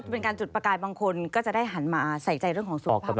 เป็นการจุดประกายบางคนก็จะได้หันมาใส่ใจเรื่องของสุขภาพ